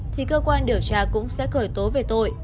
thì cơ quan điều tra cũng sẽ khởi tố về tội